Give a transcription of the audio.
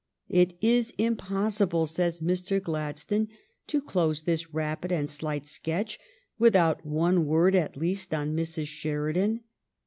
" It is impossible," says Mr. Glad stone, " to close this rapid and slight sketch with out one word at least on Mrs. Sheridan.